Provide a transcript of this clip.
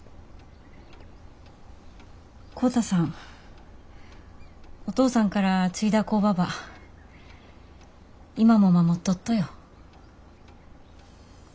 浩太さんお義父さんから継いだ工場ば今も守っとっとよ。